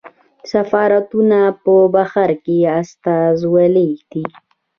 سفارتونه په بهر کې استازولۍ دي